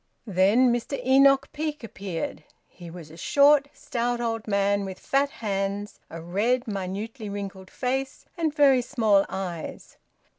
Then Mr Enoch Peake appeared. He was a short, stout old man, with fat hands, a red, minutely wrinkled face, and very small eyes.